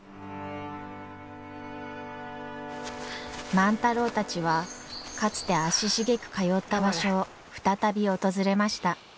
万太郎たちはかつて足しげく通った場所を再び訪れました。